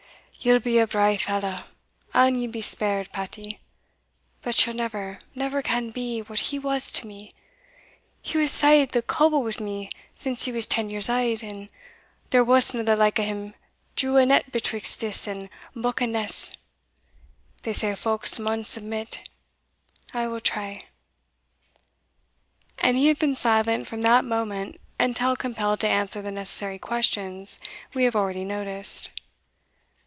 "Yell be a bra' fallow, an ye be spared, Patie, but ye'll never never can be what he was to me! He has sailed the coble wi' me since he was ten years auld, and there wasna the like o' him drew a net betwixt this and Buchan ness. They say folks maun submit I will try." And he had been silent from that moment until compelled to answer the necessary questions we have already noticed.